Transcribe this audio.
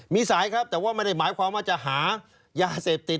มีสายครับแต่ว่าไม่ได้หมายความว่าจะหายาเสพติด